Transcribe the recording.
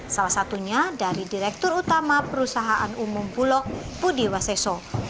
salah satunya dari direktur utama perusahaan umum bulog budi waseso